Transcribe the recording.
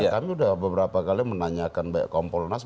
kami sudah beberapa kali menanyakan kompolnas